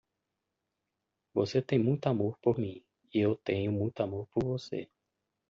você tem muito amor por mim e eu tenho muito amor por você